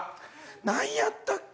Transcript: なんやったっけ？